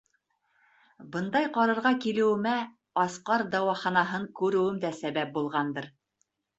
Бындай ҡарарға килеүемә Асҡар дауаханаһын күреүем дә сәбәп булғандыр.